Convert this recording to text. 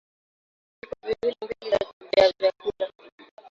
tumia sukari vijiko viwili mbili vya chakula